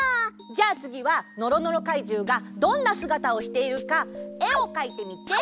じゃあつぎはのろのろかいじゅうがどんなすがたをしているかえをかいてみて！